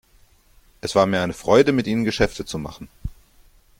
Es war mir eine Freude, mit Ihnen Geschäfte zu machen.